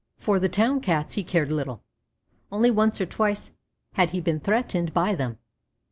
For the town Cats he cared little; only once or twice had he been threatened by them.